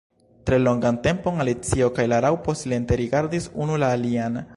Tre longan tempon Alicio kaj la Raŭpo silente rigardis unu la alian.